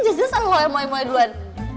jangan selalu mulai mulai duluan